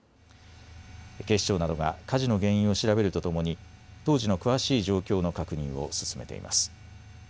警視庁などが火事の原因を調べるとともに当時の詳しい状況の確認を進めています。